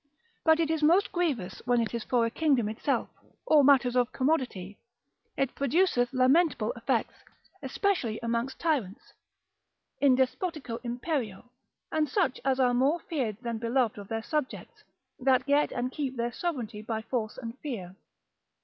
But it is most grievous when it is for a kingdom itself, or matters of commodity, it produceth lamentable effects, especially amongst tyrants, in despotico Imperio, and such as are more feared than beloved of their subjects, that get and keep their sovereignty by force and fear.